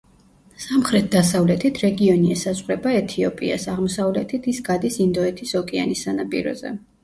სამხრეთ-დასავლეთით რეგიონი ესაზღვრება ეთიოპიას, აღმოსავლეთით ის გადის ინდოეთის ოკეანის სანაპიროზე.